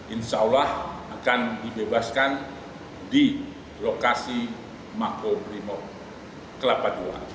insya allah akan dibebaskan di lokasi makobrimob kelapa ii